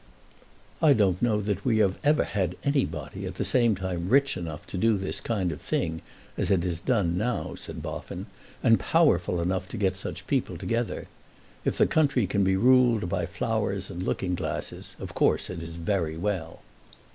"I don't know that we ever had anybody at the same time rich enough to do this kind of thing as it is done now," said Boffin, "and powerful enough to get such people together. If the country can be ruled by flowers and looking glasses, of course it is very well."